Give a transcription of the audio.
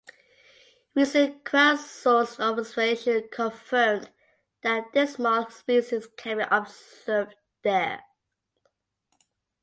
Recent crowdsourced observations confirmed that this moth species can be observed there